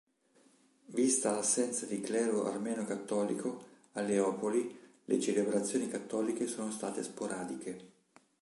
Vista l'assenza di clero armeno-cattolico a Leopoli, le celebrazioni cattoliche sono state sporadiche.